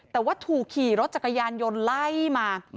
แต่ว่าถูกขี่รถจักรยานยนต์ไล่มา